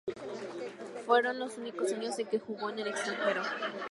Fueron los únicos años en que jugó en el extranjero.